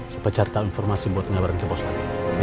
sampai cari tahu informasi buat ngabarin ke bos lagi